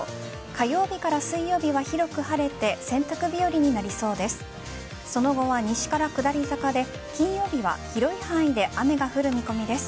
火曜日から水曜日は広く晴れて洗濯日和になりそうです。